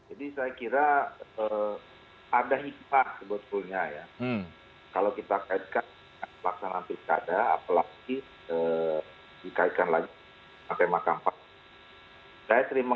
ini sudah hitam sebetulnya ya kalau kita kaitkan dengan pelaksanaan pilkada apalagi dikaitkan lagi sampai makampang